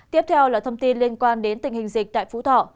tiếp theo là thông tin liên quan đến tình hình dịch tại phú thọ